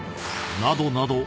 ［などなど